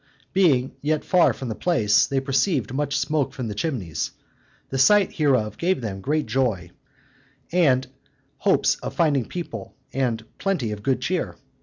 Being yet far from the place, they perceived much smoke from the chimneys: the sight hereof gave them great joy, and hopes of finding people and plenty of good cheer.